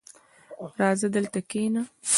• راځه، دلته کښېنه.